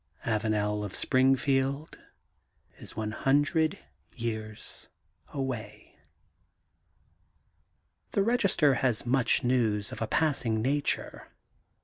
Avanel of Springfield is one hundred years away. The Register has much news of a passing nature.